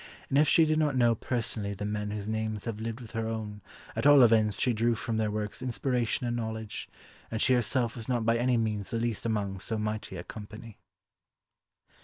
And if she did not know personally the men whose names have lived with her own, at all events she drew from their works inspiration and knowledge, and she herself was not by any means the least among so mighty a company.